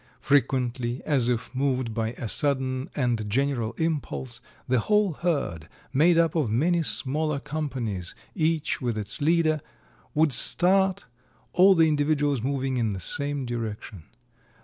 Frequently, as if moved by a sudden and general impulse, the whole herd, made up of many smaller companies, each with its leader, would start, all the individuals moving in the same direction.